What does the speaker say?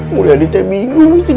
mulia adiknya bingung sih